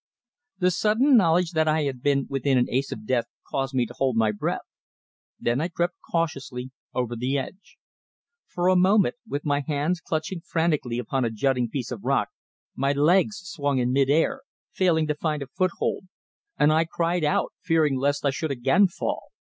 The sudden knowledge that I had been within an ace of death caused me to hold my breath; then I crept cautiously over the edge. For a moment, with my hands clutching frantically upon a jutting piece of rock, my legs swung in mid air, failing to find a foothold, and I cried out, fearing lest I should again fall.